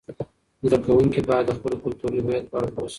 زده کوونکي باید د خپل کلتوري هویت په اړه پوه سي.